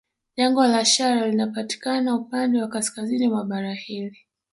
Jangwa la Shara linapatikana upande wa kaskazini mwa bara hili